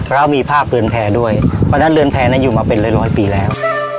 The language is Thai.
แล้วมีภาพเรือนแพร่ด้วยเพราะฉะนั้นเรือนแพร่อยู่มาเป็นร้อยปีแล้ว